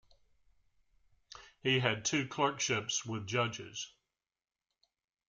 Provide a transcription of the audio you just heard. He had two clerkships with judges.